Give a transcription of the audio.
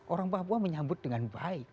orang papua menyambut dengan baik